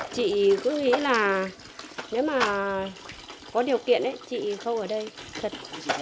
chị cứ nghĩ là nếu mà có điều kiện thì chị không ở đây thật